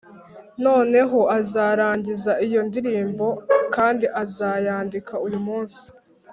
noneho azarangiza iyo ndirimbo, kandi azayandika uyu munsi